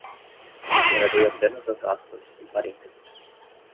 Considerarei apenas as aspas e parênteses